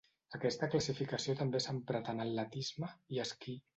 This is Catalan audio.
Aquesta classificació també s'ha emprat en atletisme, i esquí.